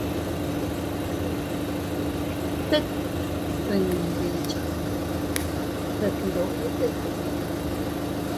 Tet dindi cha detndote.